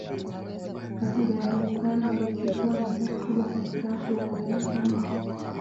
Katiba ya Muungano imechukuwa nafasi kubwa katika kuwaunganisha wananchi